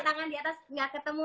tangan di atas gak ketemu